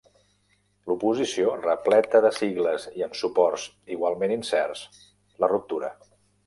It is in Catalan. L'oposició, repleta de sigles i amb suports igualment incerts, la ruptura.